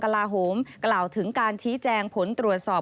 ลาโหมกล่าวถึงการชี้แจงผลตรวจสอบ